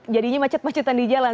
jadinya macet macetan di jalan